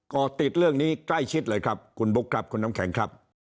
่อติดเรื่องนี้ใกล้ชิดเลยครับคุณบุ๊คครับคุณน้ำแข็งครับ